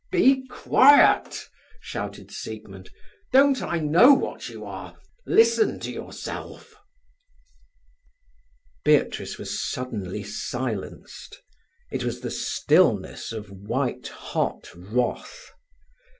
"Be quiet!" shouted Siegmund. "Don't I know what you are? Listen to yourself!" Beatrice was suddenly silenced. It was the stillness of white hot wrath.